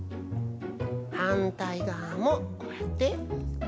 はんたいがわもこうやってペタッ。